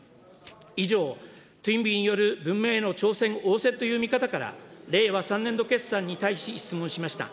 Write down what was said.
以上、トインビーによる文明への挑戦・応戦という見方から、令和３年度決算に対し質問しました。